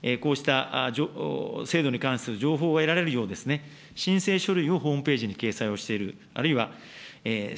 加えて、こうした制度に関する情報が得られるように、申請書類をホームページに掲載をしている。